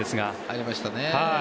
ありましたね。